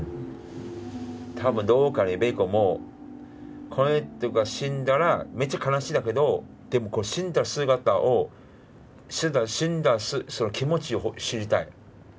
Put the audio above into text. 多分どこかでベーコンもこの人が死んだらめっちゃ悲しいんだけどでも死んだ姿を死んだ気持ちを知りたい。